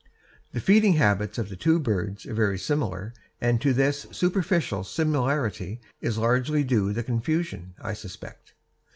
The feeding habits of the two birds are very similar, and to this superficial similarity is largely due the confusion, I suspect.